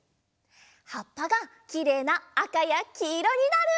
はっぱがきれいなあかやきいろになる！